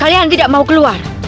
kalian tidak mau keluar